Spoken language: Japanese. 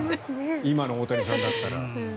今の大谷さんだったら。